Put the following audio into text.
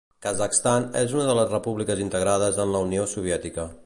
Kazakhstan era una de les repúbliques integrades en la Unió Soviètica.